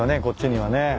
こっちにはね。